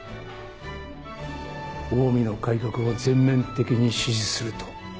オウミの改革を全面的に支持すると。